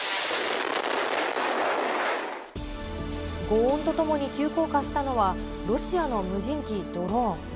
ごう音とともに急降下したのは、ロシアの無人機ドローン。